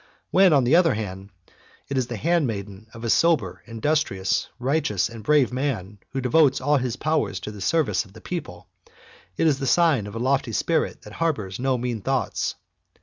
When, on the other hand, it is the handmaid of a sober, industrious, righteous, and brave man, who devotes all his powers to the service of the people, it is the sign of a lofty spirit that harbours no mean thoughts.